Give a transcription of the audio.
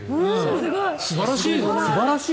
素晴らしい！